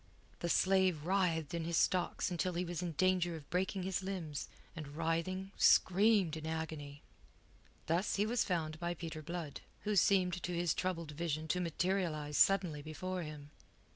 The slave writhed in his stocks until he was in danger of breaking his limbs, and writhing, screamed in agony. Thus was he found by Peter Blood, who seemed to his troubled vision to materialize suddenly before him.